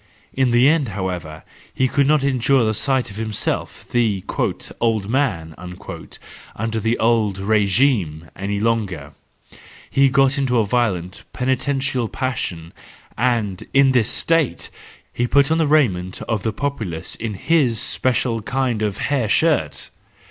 In the end, however, he could not endure the sight of himself, the "old man " under the old regime , any longer; he got into a violent, penitential passion, and in this state he put on the raiment of the populace as his special kind of hair shirt!